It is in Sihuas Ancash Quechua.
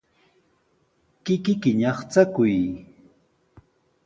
Kikiyki ñaqchakuy.